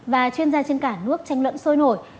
và chuyên gia trên cả nước tranh luận sôi nổi